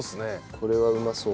これはうまそう。